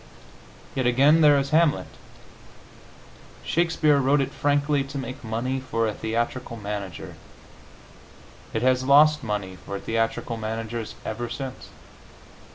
Yet again, there is "Hamlet." Shakespeare wrote it frankly to make money for a theatrical manager; it has lost money for theatrical managers ever since.